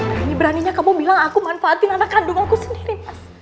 berani beraninya kamu bilang aku manfaatin anak kandung aku sendiri